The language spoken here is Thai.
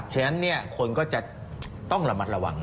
ฉะนั้นคนก็จะต้องระมัดระวัง